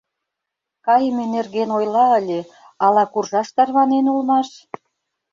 Кайыме нерген ойла ыле, ала куржаш тарванен улмаш?